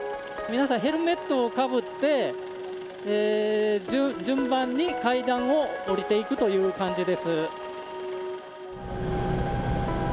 皆さん、ヘルメットをかぶって順番に階段を下りていくという感じです。